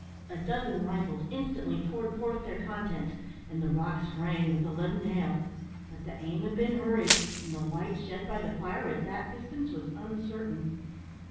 A dozen rifles instantly poured forth their contents, and the rocks rang with the leaden hail; but the aim had been hurried, and the light shed by the fire at that distance was uncertain.